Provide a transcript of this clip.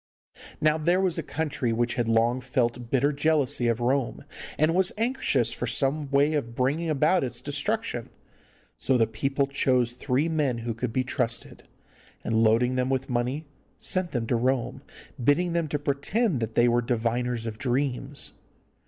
Now there was a country which had long felt bitter jealousy of Rome, and was anxious for some way of bringing about its destruction. So the people chose three men who could be trusted, and, loading them with money, sent them to Rome, bidding them to pretend that they were diviners of dreams.